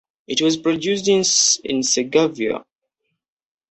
It was produced in Segovia.